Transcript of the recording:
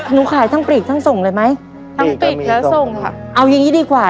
หนูขายทั้งปลีกทั้งส่งเลยไหมทั้งปลีกแล้วส่งค่ะเอาอย่างงี้ดีกว่า